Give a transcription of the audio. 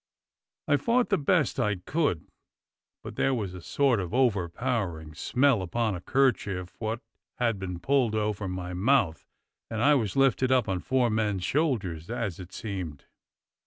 I fought the best I could, but there was a sort of over powering smell upon a 'kerchief wot had been pulled over my mouth, and I was lifted up on four men's shoulders, as it seemed.